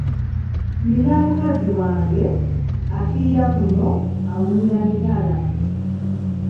Nnina mukazi wange afiira kuno awunyira mitala.